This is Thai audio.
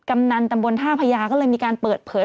กำนันตำบลท่าพญาก็เลยมีการเปิดเผย